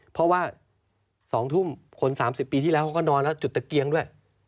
เพราะว่า๒ทุ่มคน๓๐ปีที่แล้วเขาก็นอนแล้วจุดตะเกียงด้วย